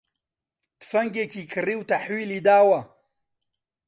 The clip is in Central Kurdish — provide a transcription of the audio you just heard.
تفەنگێکی کڕی و تەحویلی داوە